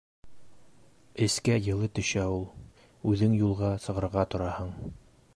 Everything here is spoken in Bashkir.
Эскә йылы төшә ул. Үҙең юлға сығырға тораһың.